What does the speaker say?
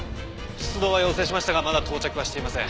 出動は要請しましたがまだ到着はしていません。